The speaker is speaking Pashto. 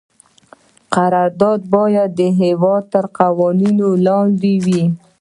قرارداد باید د هیواد تر قوانینو لاندې وي.